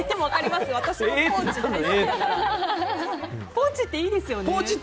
ポーチっていいですよね。